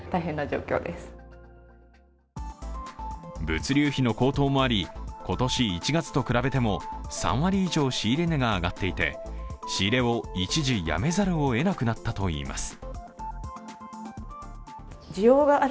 物流費の高騰もあり、今年１月と比べても３割以上仕入れ値が上がっていて仕入れを一時やめざるをえなくなったといいます。